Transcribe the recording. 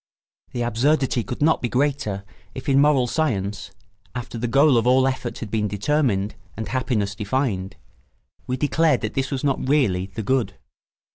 The absurdity could not be greater if in moral science, after the goal of all effort had been determined and happiness defined, we declared that this was not really the good.